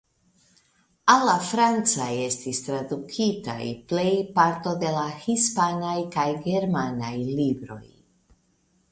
Al la franca estis tradukitaj plej parto de la hispanaj kaj germanaj libroj.